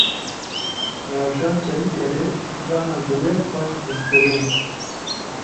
Rewşan Çelîkerê strana Gulê xweş distirê.